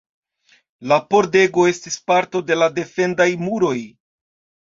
La pordego estis parto de la defendaj muroj.